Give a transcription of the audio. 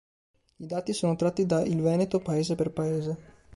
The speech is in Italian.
I dati sono tratti da "Il Veneto paese per paese".